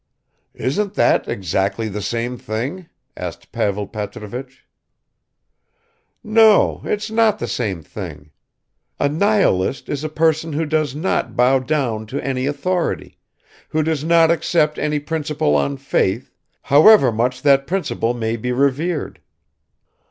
"Isn't that exactly the same thing?" asked Pavel Petrovich. "No, it's not the same thing. A nihilist is a person who does not bow down to any authority, who does not accept any principle on faith, however much that principle may be revered."